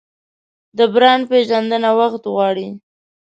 د برانډ پیژندنه وخت غواړي.